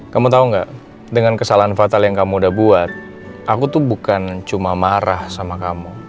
kamu tau gak dengan kesalahan fatal yang kamu udah buat aku tuh bukan cuma marah sama kamu